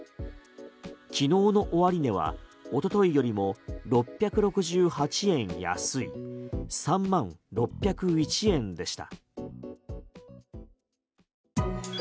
昨日の終値はおとといよりも６６８円安い３万６０１円でした。